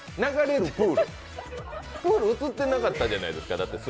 プール、映ってなかったじゃないですか。